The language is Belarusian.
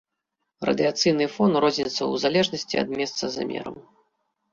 Радыяцыйны фон розніцца ў залежнасці ад месца замераў.